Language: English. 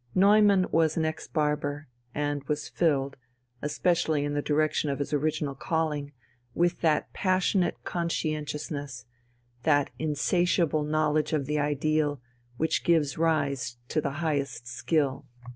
Neumann was an ex barber, and was filled, especially in the direction of his original calling, with that passionate conscientiousness, that insatiable knowledge of the ideal, which gives rise to the highest skill.